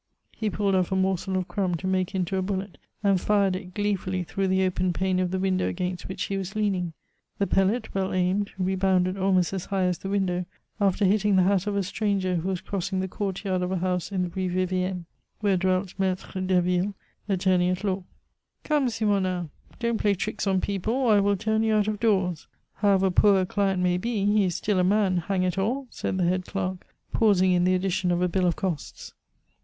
He pulled off a morsel of crumb to make into a bullet, and fired it gleefully through the open pane of the window against which he was leaning. The pellet, well aimed, rebounded almost as high as the window, after hitting the hat of a stranger who was crossing the courtyard of a house in the Rue Vivienne, where dwelt Maitre Derville, attorney at law. "Come, Simonnin, don't play tricks on people, or I will turn you out of doors. However poor a client may be, he is still a man, hang it all!" said the head clerk, pausing in the addition of a bill of costs.